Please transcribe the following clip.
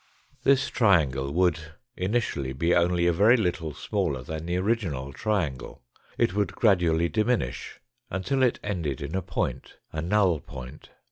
This triangle would initially be only a very little smaller than the original triangle, it would gradually diminish, until it ended in a point, a null point.